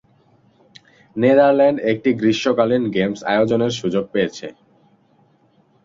Netherland একটি গ্রীষ্মকালীন games আয়োজনের সুযোগ পেয়েছে।